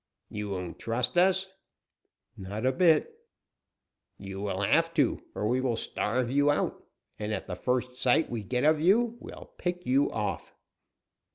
"You won't trust us?" "Not a bit." "You will have to, or we will starve you out. And at the first sight we get of you we'll pick you off."